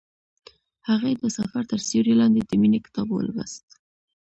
هغې د سفر تر سیوري لاندې د مینې کتاب ولوست.